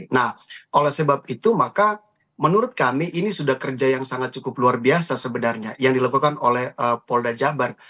nah oleh sebab itu maka menurut kami ini sudah kerja yang sangat cukup luar biasa sebenarnya yang dilakukan oleh polda jabar